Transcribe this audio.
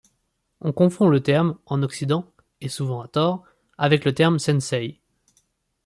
On confond le terme, en Occident, et souvent à tort, avec le terme senseï.